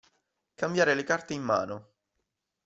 Cambiare le carte in mano.